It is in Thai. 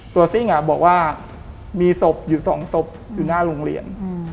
ซิ่งบอกว่ามีศพอยู่๒ศพอยู่หน้าโรงเรียน